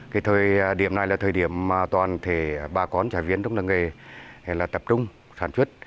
cái thời điểm này là thời điểm mà toàn thể bà con trả viên trong làng nghề là tập trung sản xuất